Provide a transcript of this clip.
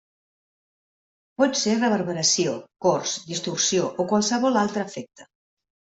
Pot ser reverberació, cors, distorsió, o qualsevol altre efecte.